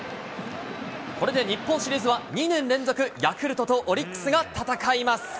これで日本シリーズは２年連続、ヤクルトとオリックスが戦います。